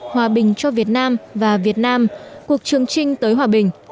hòa bình cho việt nam và việt nam cuộc chương trình tới hòa bình